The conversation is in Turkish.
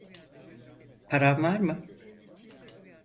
Paran var mı?